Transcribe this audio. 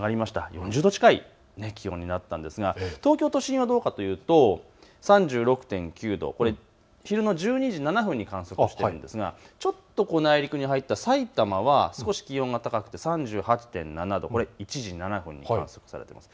４０度近い気温になったんですが東京都心はどうかというと３６．９度、昼の１２時７分に観測しているんですがちょっと内陸に入ったさいたまは少し気温が高くて３８．７度、１時７分に観測されています。